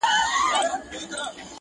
که زما د خاموشۍ ژبه ګویا سي,